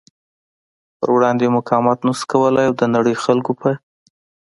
پر وړاندې مقاومت نشو کولی او د نړۍ خلکو په